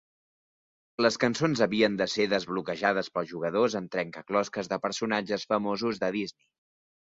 Les cançons havien de ser desbloquejades pels jugadors amb trencaclosques de personatges famosos de Disney.